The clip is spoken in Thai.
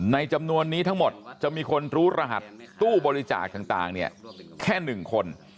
จำนวนนี้ทั้งหมดจะมีคนรู้รหัสตู้บริจาคต่างแค่๑คน